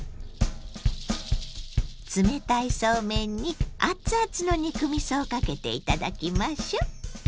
冷たいそうめんに熱々の肉みそをかけて頂きましょう。